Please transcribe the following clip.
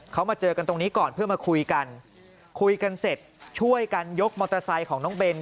เขามาเจอกันตรงนี้ก่อนเพื่อมาคุยกันคุยกันเสร็จช่วยกันยกมอเตอร์ไซค์ของน้องเบน